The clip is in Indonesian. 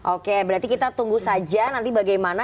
oke berarti kita tunggu saja nanti bagaimana